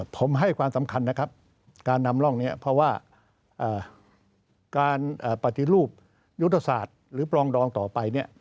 ผมให้ความสำคัญนะครับการนำร่องนี้เพราะว่าการปฏิรูปยุทธศาสตร์หรือปรองดองต่อไปเนี่ย